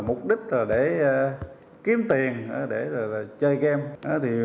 mục đích là để kiếm tiền để chơi game